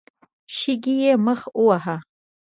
شګې يې مخ وواهه.